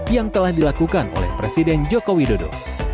yang telah dilakukan oleh presiden joko widodo